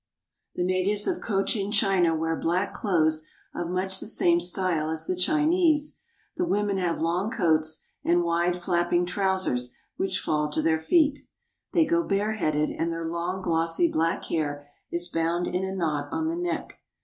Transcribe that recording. The natives of Cochin China wear black clothes of much the same style as the Chinese. The women have long coats and wide, flapping trousers which fall to their feet. They go bareheaded, and their long, glossy black hair is bound in a knot on the neck.